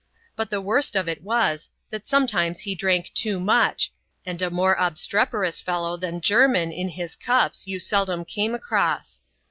But the worst of it was, that sometimes he drank too much, and a more obstreperous fellow than Jermin in his cups, you seldom came across.